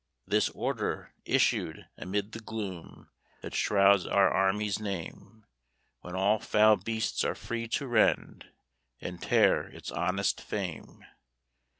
This order, issued amid the gloom, That shrouds our army's name, When all foul beasts are free to rend And tear its honest fame.